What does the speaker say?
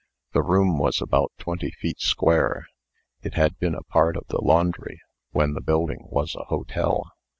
The room was about twenty feet square. It had been a part of the laundry when the building was a hotel.